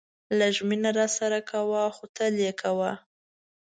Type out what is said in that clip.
لږ مینه راسره کوه خو تل یې کوه.